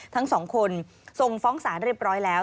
ทั้งสองคนส่งฟ้องสารเรียบร้อยแล้ว